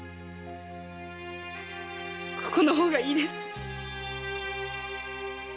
ここの方がいいです！